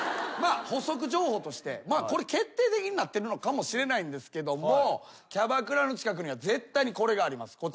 まあ補足情報としてこれ決定的になってるのかもしれないんですけどもキャバクラの近くには絶対にこれがあります。